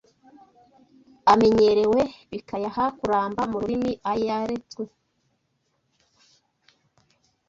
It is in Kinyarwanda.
amenyerewe bikayaha kuramba mu rurimi ayaretswe